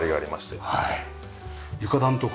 床暖とか？